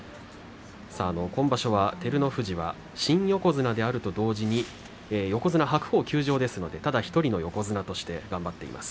今場所、照ノ富士は新横綱であると同時に横綱白鵬が休場ですのでただ１人の横綱として頑張っています。